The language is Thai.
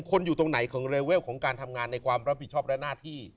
คนอยู่ตรงไหนของเรเวลของการทำงานในความรับผิดชอบและหน้าที่